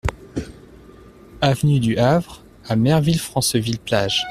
Avenue du Havre à Merville-Franceville-Plage